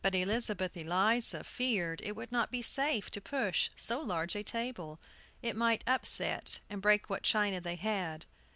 But Elizabeth Eliza feared it would not be safe to push so large a table; it might upset, and break what china they had.